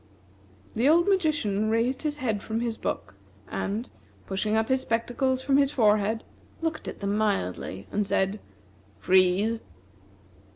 The old magician raised his head from his book, and, pushing up his spectacles from his forehead, looked at them mildly, and said: "Freeze!"